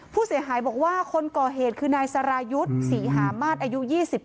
ผู้เสียหายบอกว่าคนก่อเหตุคือนายสรายุทธ์ศรีหามาศอายุ๒๘